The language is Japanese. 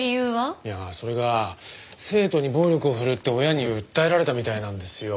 いやそれが生徒に暴力を振るって親に訴えられたみたいなんですよ。